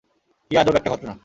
কী আজব একটা ঘটনা!